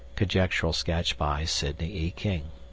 (Conjectural sketch by Sidney E. King.)